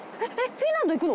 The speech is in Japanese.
フィンランド行くの？